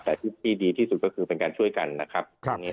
แต่ที่ดีที่สุดก็คือเป็นการช่วยกันนะครับ